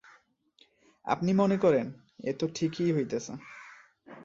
আপনি মনে করেন, এ তো ঠিকই হইতেছে।